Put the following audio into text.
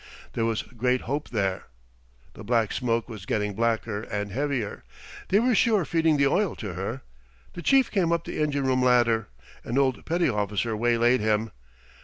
There was great hope there. The black smoke was getting blacker and heavier. They were sure feeding the oil to her. The chief came up the engine room ladder. An old petty officer waylaid him.